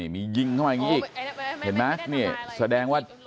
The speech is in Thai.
มียิงเข้ามาอย่างนี้อีกเห็นไหมนี่แสดงว่า